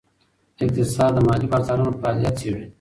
اقتصاد د مالي بازارونو فعالیت څیړي.